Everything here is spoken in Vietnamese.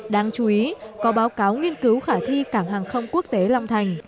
đáng chú ý có báo cáo nghiên cứu khả thi cảng hàng không quốc tế long thành